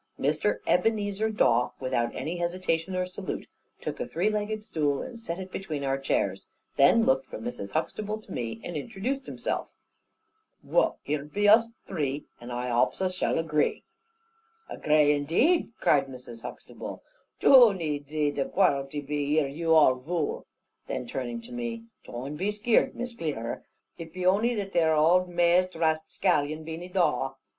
Mr. Ebenezer Dawe, without any hesitation or salute, took a three legged stool, and set it between our chairs, then looked from Mrs. Huxtable to me, and introduced himself. "Wull, here be us three, And I hopps us shall agree." "Agray indeed," cried Mrs. Huxtable, "doon 'e zee the quarlity be here, ye aul vule?" Then turning to me. "Doon'e be skeared, Miss Clerer, it be oney that there aul mazed ramscallion, Beany Dawe.